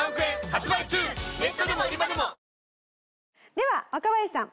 では若林さん。